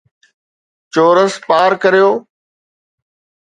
چورس پار ڪريو